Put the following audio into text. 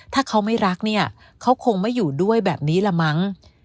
ถ้าเขาไม่รักเนี่ยเขาคงไม่อยู่ด้วยแบบนี้ละมั้ง